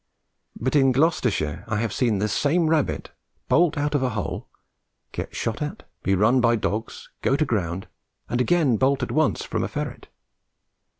But in Gloucestershire I have seen the same rabbit bolt out of a hole, get shot at, be run by dogs, go to ground, and again bolt at once from a ferret.